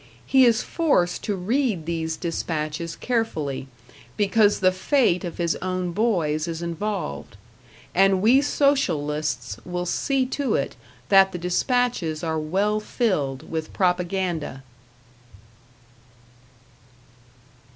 He is forced to read these despatches carefully, because the fate of his own boys is involved; and we Socialists will see to it that the despatches are well filled with propaganda!